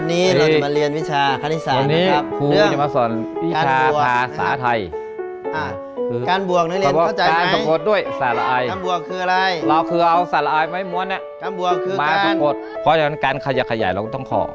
นะครับ